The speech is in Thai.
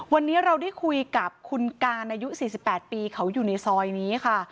วันนี้เราได้คุยกับคุณการอายุ๔๘ปีเขาอยู่ในซอยนี้ค่ะ